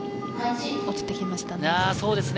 落ちてきましたね。